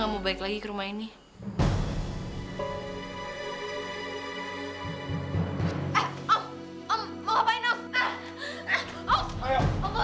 saya cuma mau bicara sebentar aja